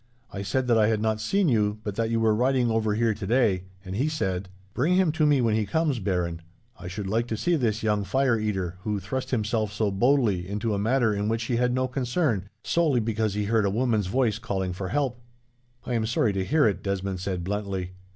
I said that I had not yet seen you, but that you were riding over here today, and he said: "'Bring him to me when he comes, Baron. I should like to see this young fire eater, who thrust himself so boldly into a matter in which he had no concern, solely because he heard a woman's voice calling for help.'" "I am sorry to hear it," Desmond said, bluntly.